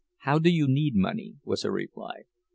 "How do you need money?" was her reply.